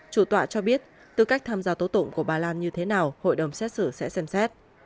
chủ tọa cho biết tư cách tham gia tố tụng của bà lan như thế nào hội đồng xét xử sẽ xem xét